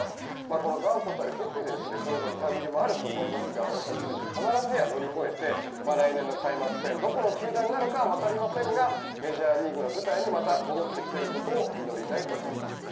この断固たる決意で今後リハビリもあると思いますが大谷選手、必ずや乗り越えて来年の開幕戦どこの球団になるかは分かりませんがメジャーリーグの舞台にまた戻ってきていることを祈りたいと思います。